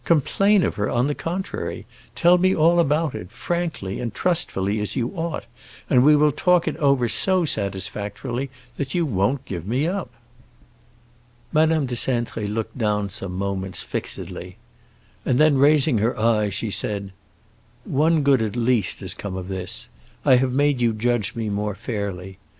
"Complain of her, on the contrary. Tell me all about it, frankly and trustfully, as you ought, and we will talk it over so satisfactorily that you won't give me up." Madame de Cintré looked down some moments, fixedly; and then, raising her eyes, she said, "One good at least has come of this: I have made you judge me more fairly.